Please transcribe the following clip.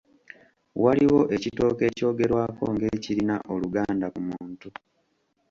Waliwo ekitooke ekyogerwako ng'ekirina oluganda ku muntu.